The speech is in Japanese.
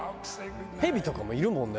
ヘビとかもいるもんね。